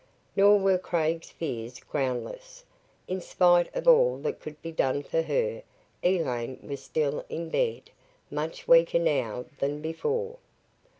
Nor were Craig's fears groundless. In spite of all that could be done for her, Elaine was still in bed, much weaker now than before.